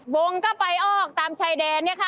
วงก็ไปออกตามชายแดนเนี่ยค่ะ